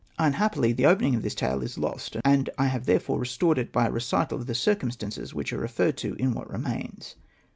Unhappily the opening of this tale is lost, and I have therefore restored it by a recital of the circumstances which are referred to in what remains.